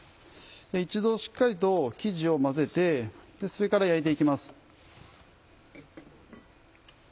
一度しっかりと生地を混ぜてそれから焼いて行きます。